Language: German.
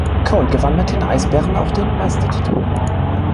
Cole gewann mit den Eisbären auch den Meistertitel.